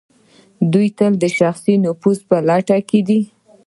دوی تل د شخصي نفوذ په لټه کې دي.